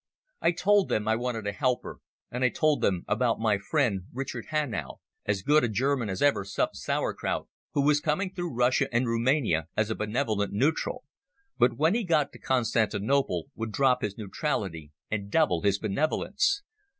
I told them I wanted a helper, and I told them about my friend Richard Hanau, as good a German as ever supped sauerkraut, who was coming through Russia and Rumania as a benevolent neutral; but when he got to Constantinople would drop his neutrality and double his benevolence.